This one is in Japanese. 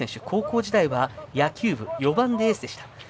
高校時代は野球部４番のエースでした。